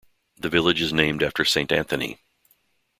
The village is named after Saint Anthony.